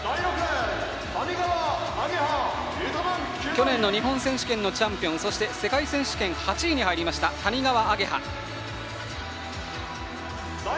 去年の日本選手権のチャンピオンそして世界選手権８位に入った谷川亜華葉。